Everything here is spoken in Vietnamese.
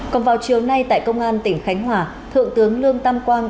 còn vào chiều nay tại công an tỉnh khánh hòa thượng tướng lương tam quang